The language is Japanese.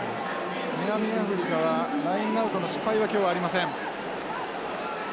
南アフリカはラインアウトの失敗は今日はありません。